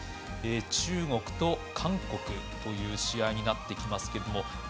中国と韓国という試合になってきますけれども。